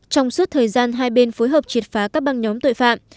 trong suốt thời gian hai bên phối hợp triệt phá các băng nhóm tội phạm